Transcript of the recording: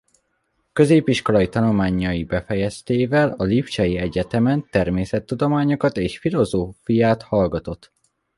Középiskolai tanulmányai befejeztével a lipcsei egyetemen természettudományokat és filozófiát hallgatott.